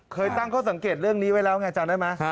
เคยตั้งข้อสังเกตเรื่องนี้ไว้แล้วไงจำได้ไหม